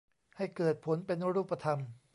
ให้เกิดผลเป็นรูปธรรม